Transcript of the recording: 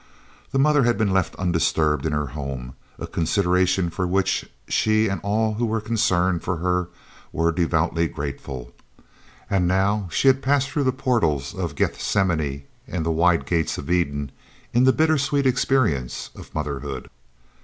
The mother had been left undisturbed in her home, a consideration for which she and all who were concerned for her were devoutly grateful, and now she had passed through the portals of Gethsemane and the wide gates of Eden, in the bitter sweet experiences of motherhood.